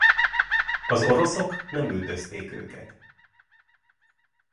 Az oroszok nem üldözték őket.